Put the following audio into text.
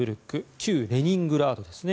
旧レニングラードですね。